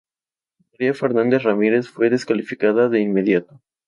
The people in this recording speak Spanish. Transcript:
María Fernanda Ramírez fue descalificada de inmediato.